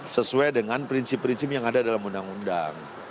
sesuai dengan prinsip prinsip yang ada dalam undang undang